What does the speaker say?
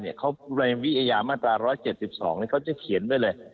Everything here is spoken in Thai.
ในวิยามตรา๑๗๒เขาจะเขียนไปเลย